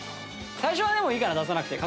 最初はでもいいかな出さなくて。